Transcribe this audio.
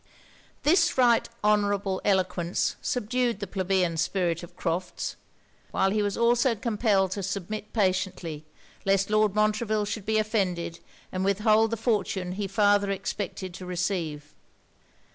This right honourable eloquence subdued the plebeian spirit of Crofts; while he was also compelled to submit patiently, lest Lord Montreville should be offended and withhold the fortune he farther expected to receive.